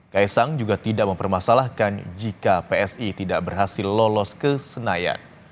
kaisang juga tidak mempermasalahkan jika psi tidak berhasil lolos ke senayan